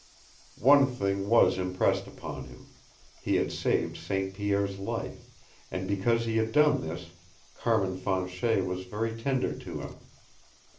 One thing was impressed upon him he had saved St. Pierre's life, and because he had done this Carmin Fanchet was very tender to him.